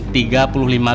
dengan mas kawin